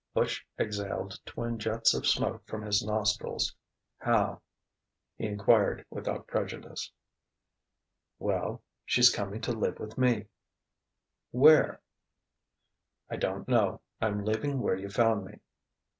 Butch exhaled twin jets of smoke from his nostrils. "How?" he enquired without prejudice. "Well ... she's coming to live with me " "Where?" "I don't know. I'm leaving where you found me.